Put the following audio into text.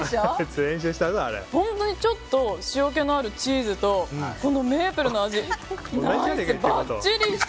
ちょっと塩気のあるチーズとこのメープルの味、ナイス！